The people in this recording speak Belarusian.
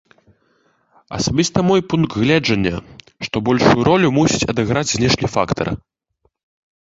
Асабіста мой пункт гледжання, што большую ролю мусіць адыграць знешні фактар.